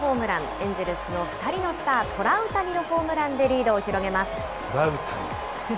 エンジェルスの２人のスター、トラウタニのホームランでリードを広げます。